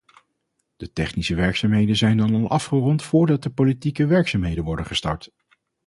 De technische werkzaamheden zijn dan al afgerond voordat de politieke werkzaamheden worden gestart.